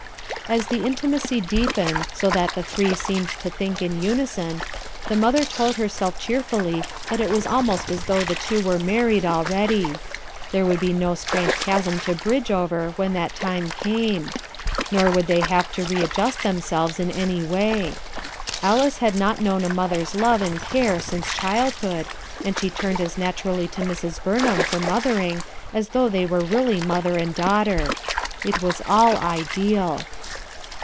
As the intimacy deepened, so that the three 7<s RUTH ERSKINE'S SON reined to think in unison, the mother told h self cheerful!}' that it was almost as thou J the two were married already; there would b no strange chasm to bridge over when that time came; nor would they have to readjust themselves in any way. Alice had not known a mother's love and care since childhood, ami she turned as naturally to Mrs. Burnham f or mothering as though they were really mother and daughter. It was all ideal.